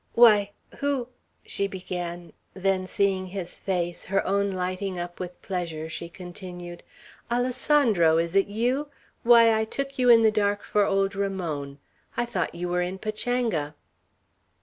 "Why, who " she began; then, seeing his face, her own lighting up with pleasure, she continued, "Alessandro! Is it you? Why, I took you in the dark for old Ramon! I thought you were in Pachanga."